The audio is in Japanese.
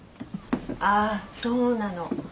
ああそうなの。